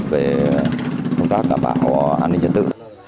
về công tác đảm bảo an ninh trật tự